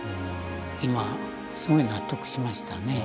今すごい納得しましたね。